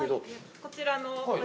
こちらの。